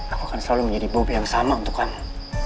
aku akan selalu menjadi bobi yang sama untuk kamu